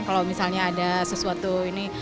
kalau misalnya ada sesuatu ini